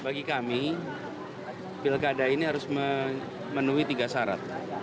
bagi kami pilkada ini harus memenuhi tiga syarat